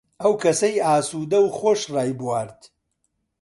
ئەو کەسەی ئاسوودەو و خۆش ڕایبوارد،